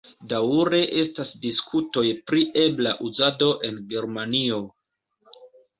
Daŭre estas diskutoj pri ebla uzado en Germanio.